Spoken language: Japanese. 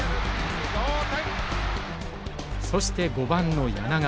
そして５番の柳川。